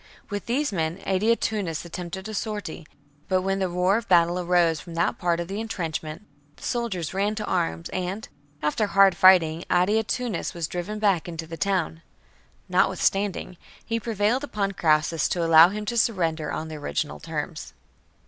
With these men Adia tunnus attempted a sortie ; but when the roar of battle arose from that part of the entrench ment, the soldiers ran to arms, and, after hard fighting, Adiatunnus was driven back into the town. Notwithstanding, he prevailed upon Crassus to allow him to surrender on the original terms.